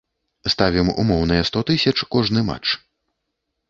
Ставім умоўныя сто тысяч кожны матч.